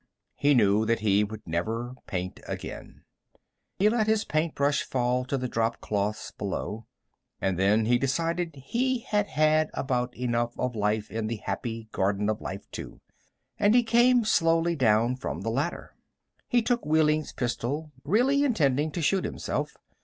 He knew that he would never paint again. He let his paintbrush fall to the dropcloths below. And then he decided he had had about enough of life in the Happy Garden of Life, too, and he came slowly down from the ladder. He took Wehling's pistol, really intending to shoot himself.